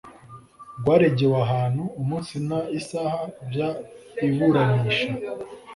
rwaregewe ahantu umunsi n isaha by iburanisha